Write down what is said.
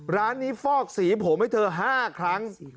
ร้านนี้ฟอกสีผมให้เธอ๕ครั้ง